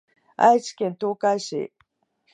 愛知県東海市